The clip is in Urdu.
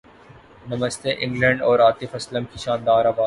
نمستے انگلینڈ اور عاطف اسلم کی شاندار اواز